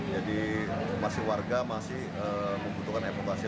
jadi masih warga masih membutuhkan evakuasi